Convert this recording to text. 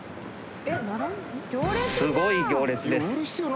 すごい行列です。